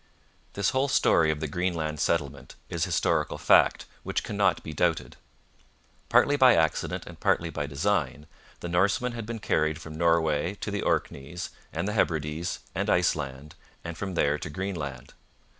This whole story of the Greenland settlement is historical fact which cannot be doubted. Partly by accident and partly by design, the Norsemen had been carried from Norway to the Orkneys and the Hebrides and Iceland, and from there to Greenland.